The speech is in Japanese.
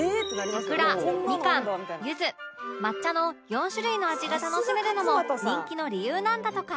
桜みかん柚子抹茶の４種類の味が楽しめるのも人気の理由なんだとか